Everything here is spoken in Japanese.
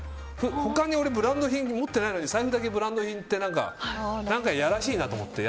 他に俺ブランド品持ってないのに財布だけブランド品って何かいやらしいなって思って。